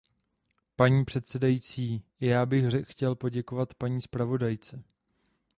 Paní předsedající, i já bych chtěl poděkovat paní zpravodajce.